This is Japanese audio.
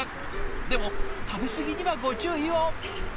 でも食べ過ぎにはご注意を！